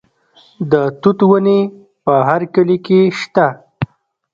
د توت ونې په هر کلي کې شته.